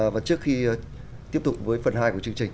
và trước khi tiếp tục với phần hai của chương trình